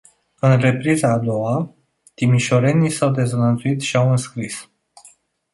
În repriza a doua, timișorenii s-au dezlănțuit și au înscris.